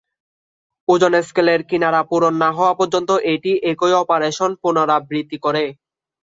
ওজন স্কেলের কিনারা পূরণ না হওয়া পর্যন্ত এটি একই অপারেশন পুনরাবৃত্তি করে।